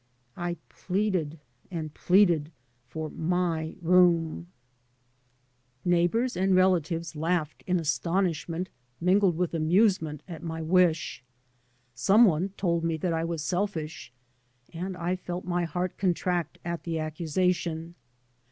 I pleaded and pleaded for my room. 3 by Google MY MOTHER AND I Neighbours and relatives laughed in astonish ment mingled with amusement at my wish. Some one told me that I was selfish, and I felt my heart contract at the accusation.